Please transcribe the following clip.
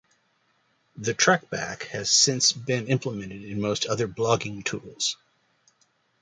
The TrackBack has since been implemented in most other blogging tools.